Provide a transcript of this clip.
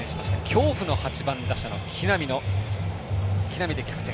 恐怖の８番打者の木浪で逆転。